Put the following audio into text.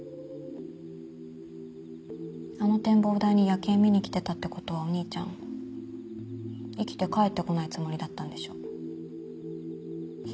あの展望台に夜景見に来てたってことはお兄ちゃん生きて帰ってこないつもりだったんでしょ。